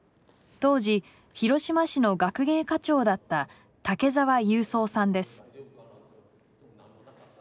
当時広島市の学芸課長だった竹澤雄三さんです。